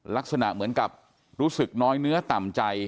ลักษณะเหมือนกับรู้สึกน้อยเนื้อต่ำใจ